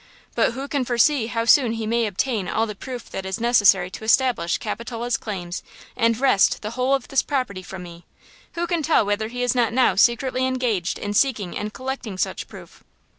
But who can foresee how soon he may obtain all the proof that is necessary to establish Capitola's claims and wrest the whole of this property from me? Who can tell whether he is not now secretly engaged in seeking and collecting such proof?